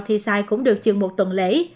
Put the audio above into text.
thì xài cũng được chừng một tuần lễ